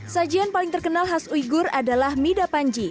sajian paling terkenal khas uyghur adalah mida panji